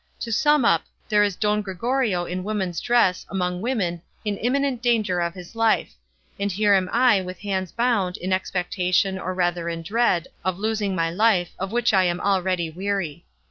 To sum up, there is Don Gregorio in woman's dress, among women, in imminent danger of his life; and here am I, with hands bound, in expectation, or rather in dread, of losing my life, of which I am already weary.